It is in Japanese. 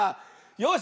よし。